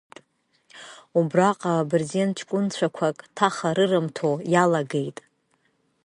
Убраҟа бырзен ҷкәынцәақәак ҭаха рырымҭо иалагеит.